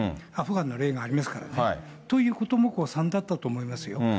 アフガンの例がありますからね。ということも誤算だったと思いますよ。